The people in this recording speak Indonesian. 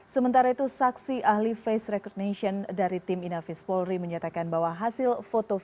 sementara itu saksi ahli face recognition dari tim inafis polri menyatakan bahwa hasil foto